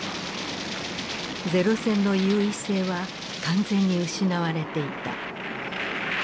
零戦の優位性は完全に失われていた。